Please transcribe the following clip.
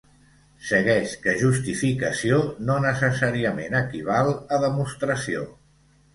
Segueix que justificació no necessàriament equival a demostració.